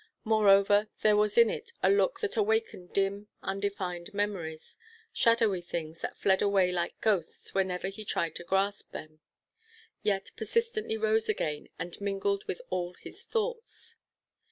Moreover, there was in it a look that awakened dim, undefined memories shadowy things, that fled away like ghosts whenever he tried to grasp them, yet persistently rose again, and mingled with all his thoughts.